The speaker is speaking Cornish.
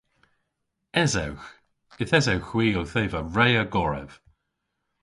Esewgh. Yth esewgh hwi owth eva re a gorev.